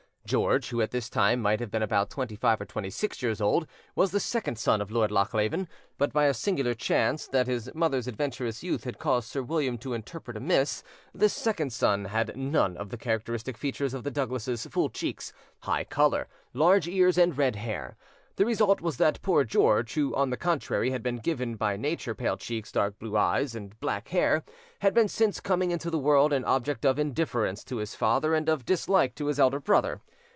George, who at this time might have been about twenty five or twenty six years old, was the second son of Lord Lochleven; but by a singular chance, that his mother's adventurous youth had caused Sir William to interpret amiss, this second son had none of the characteristic features of the Douglases' full cheeks, high colour, large ears, and red hair. The result was that poor George, who, on the contrary, had been given by nature pale cheeks, dark blue eyes, and black hair, had been since coming into the world an object of indifference to his father and of dislike to his elder brother.